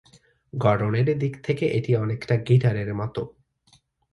গড়নের দিক থেকে এটি অনেকটা গিটারের মতো।